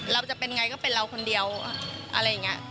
เราจะเป็นไงก็เป็นเราคนเดียวอะไรอย่างนี้